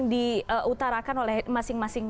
diutarakan oleh masing masing